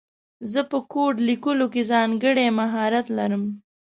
زه په کوډ لیکلو کې ځانګړی مهارت لرم